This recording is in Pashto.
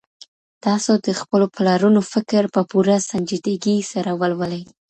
تاسو د خپلو پلرونو فکر په پوره سنجيدګۍ سره ولولئ.